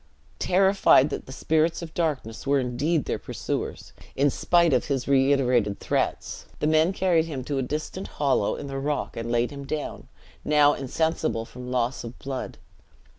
Terrified that the spirits of darkness were indeed their pursuers, in spite of his reiterated threats, the men carried him to a distant hollow in the rock, and laid him down, now insensible from loss of blood.